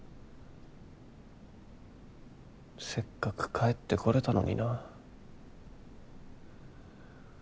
せっかく帰ってこれたのにな。